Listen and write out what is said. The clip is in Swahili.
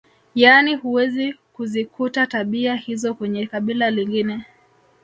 Yaani huwezi kuzikuta tabia hizo kwenye kabila lingine